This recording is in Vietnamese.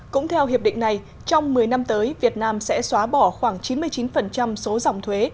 cũng theo hiệp định này trong một mươi năm tới việt nam sẽ xóa bỏ khoảng chín mươi chín số dòng thuế